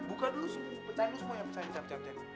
buka dulu pecahin dulu semuanya